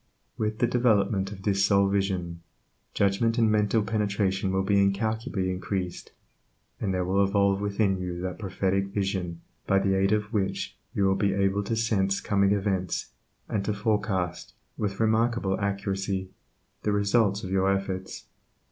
With the development of this soul vision, judgment and mental penetration will be incalculably increased, and there will evolve within you that prophetic vision by the aid of which you will be able to sense coming events, and to forecast, with remarkable accuracy, the result of your efforts.